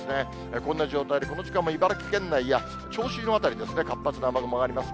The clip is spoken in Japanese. こんな状態で、この時間も茨城県内や、銚子の辺り、活発な雨雲があります。